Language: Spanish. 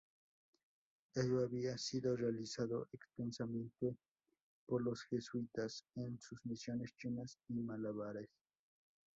Ello había sido realizado extensamente por los jesuitas en sus misiones chinas y malabares.